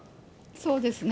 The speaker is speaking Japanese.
そうですね。